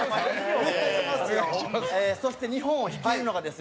そして日本を率いるのがですね